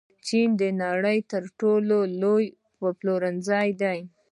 چین د نړۍ تر ټولو لوی پلورنځی دی.